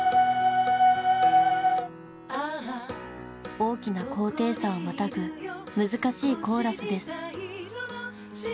大きな高低差をまたぐ難しいコーラスです。